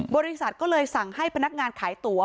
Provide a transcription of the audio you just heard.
บริษัทก็เลยสั่งให้พนักงานขายตั๋ว